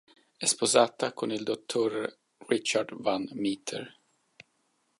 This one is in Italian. È sposata con il Dr. Richard Van Meter.